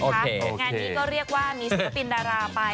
งานนี้ก็เรียกว่ามีศิลปินดาราไป